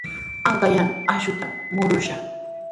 Achka yana akshutami murushun.